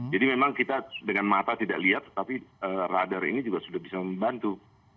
jadi memang kita dengan mata tidak lihat tapi radar ini juga sudah bisa membantu